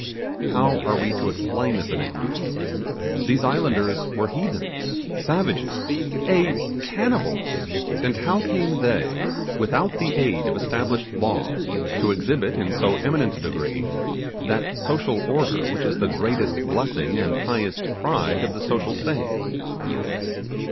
How are we to explain this enigma? These islanders were heathens! savages! ay, cannibals! and how came they without the aid of established law, to exhibit, in so eminent a degree, that social order which is the greatest blessing and highest pride of the social state?